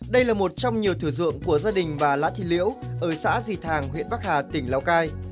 đây là một trong nhiều thử dụng của gia đình và lá thị liễu ở xã dì thàng huyện bắc hà tỉnh lào cai